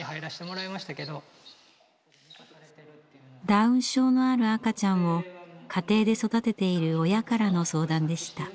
ダウン症のある赤ちゃんを家庭で育てている親からの相談でした。